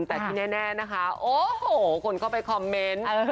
แต่ที่แน่นะคะโอ้โหคนเข้าไปคอมเมนต์